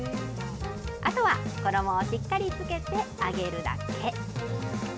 あとは衣をしっかり付けて揚げるだけ。